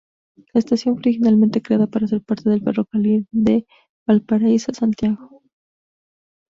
La estación fue originalmente creada para ser parte del ferrocarril de Valparaíso a Santiago.